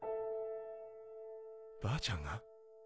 ばあちゃんが？